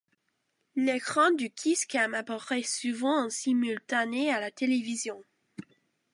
L'écran du Kiss cam apparaît souvent en simultané à la télévision.